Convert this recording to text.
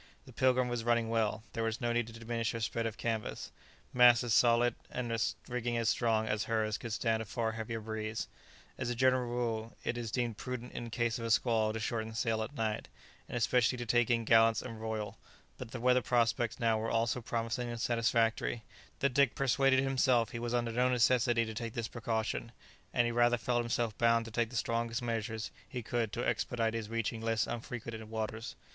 The "Pilgrim" was running well. There was no need to diminish her spread of canvas. Masts as solid and rigging as strong as hers could stand a far heavier breeze. As a general rule, it is deemed prudent in case of a squall to shorten sail at night, and especially to take in gallants and royal; but the weather prospects now were all so promising and satisfactory that Dick persuaded himself he was under no necessity to take this precaution; he rather felt himself bound to take the strongest measures he could to expedite his reaching less unfrequented waters.